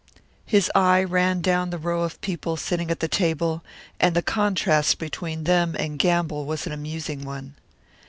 His eye ran down the row of people sitting at the table, and the contrast between them and Gamble was an amusing one.